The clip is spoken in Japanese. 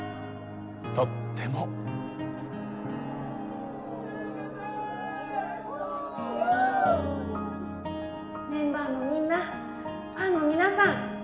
とってもメンバーのみんなファンの皆さん